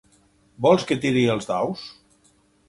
Vols que tiri els daus?